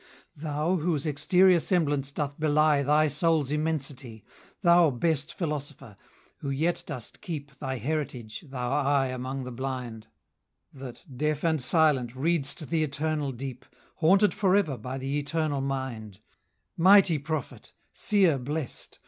Thou, whose exterior semblance doth belie Thy soul's immensity; 110 Thou best philosopher, who yet dost keep Thy heritage, thou eye among the blind, That, deaf and silent, read'st the eternal deep, Haunted for ever by the eternal mind,— Mighty prophet! Seer blest!